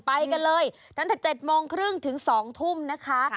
ไปกันเลยตั้งแต่๗โมงครึ่งถึง๒ทุ่มนะคะ